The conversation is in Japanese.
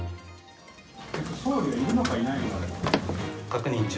総理がいるのか、いないのか？